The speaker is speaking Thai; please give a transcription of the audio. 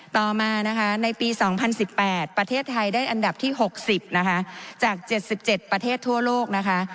ต่อมานะคะในปี๒๐๑๘ประเทศไทยได้อันดับที่๖๐นะคะจาก๗๗ประเทศทั่วโลกนะคะ